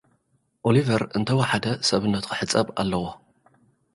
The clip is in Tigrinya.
ኦሊቨር እንተወሓደ ሰብነቱ ኽሕጸብ ኣለዎ።